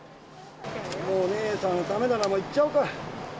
もう、お姉さんのためならいっちゃおうか。